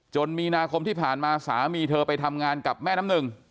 มีนาคมที่ผ่านมาสามีเธอไปทำงานกับแม่น้ำหนึ่ง